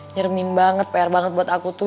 nyermin banget pr banget buat aku tuh